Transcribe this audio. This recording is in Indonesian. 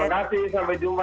terima kasih sampai jumpa